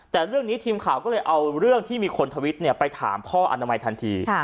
แต่เรื่องนี้ทีมข่าวก็เลยเอาเรื่องที่มีคนทวิตไปถามพ่ออนามัยทันที